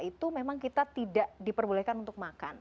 itu memang kita tidak diperbolehkan untuk makan